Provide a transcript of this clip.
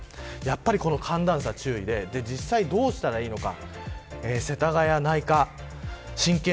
この寒暖差に注意で実際どうしたらいいのか。